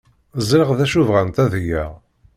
Ẓriɣ d acu bɣant ad geɣ.